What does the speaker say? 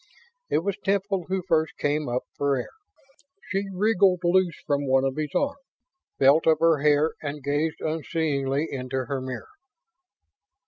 It was Temple who first came up for air. She wriggled loose from one of his arms, felt of her hair and gazed unseeingly into her mirror.